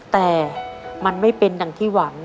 แต่มันไม่เป็นดังที่หวัง